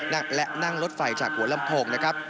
และนั่งรถไฟจากหัวลำโพงนะครับ